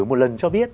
một lần cho biết